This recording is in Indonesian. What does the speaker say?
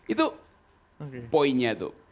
itu poinnya tuh